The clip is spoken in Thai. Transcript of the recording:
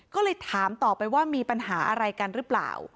ก็เลยถามต่อไปว่ามีปัญหาอะไรกันหรือเปล่า